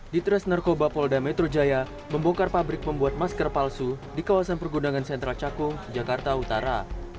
di tres narkoba polda metro jaya membongkar pabrik pembuat masker palsu di kawasan pergundangan sentral cakung jakarta utara